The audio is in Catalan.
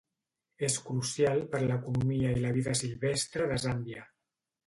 És crucial per l’economia i la vida silvestre de Zàmbia.